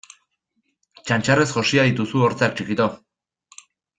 Txantxarrez josia dituzu hortzak txikito!